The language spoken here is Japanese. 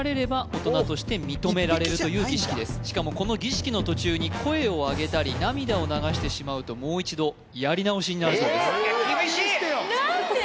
杉ちゃんはいしかもこの儀式の途中に声をあげたり涙を流してしまうともう一度やり直しになるそうです厳しい！何で？